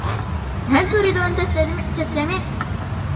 هل تريد أن تستمع؟